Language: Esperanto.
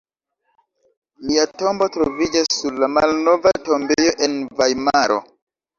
Lia tombo troviĝas sur la Malnova tombejo en Vajmaro.